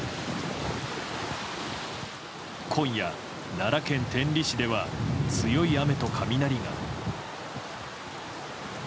今夜、奈良県天理市では強い雨と雷が。